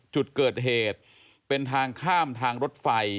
จุดเกิดเหตุเป็นทางข้ามทางรถไฟ